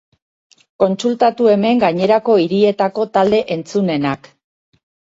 Kontsultatu hemen gainerako hirietako talde entzunenak.